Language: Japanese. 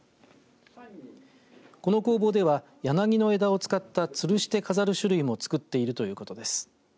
この工房では柳の枝を使ったつるして飾る種類も作っているということです。